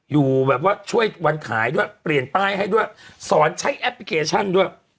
อยู่แบบว่าช่วยวันขายด้วยเปลี่ยนป้ายให้ด้วยสอนใช้แอปพลิเคชันด้วย